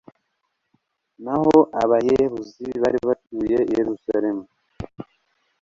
naho abayebuzi bari batuye i yeruzalemu